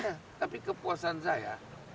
ya tapi kepuasan saya